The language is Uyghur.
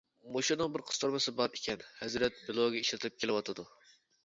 مۇشۇنىڭ بىر قىستۇرمىسى بار ئىكەن ھەزرەت بىلوگى ئىشلىتىپ كېلىۋاتىدۇ.